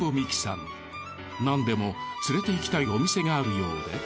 なんでも連れていきたいお店があるようで。